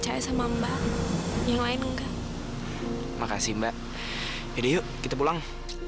yaudah yuk kita pulang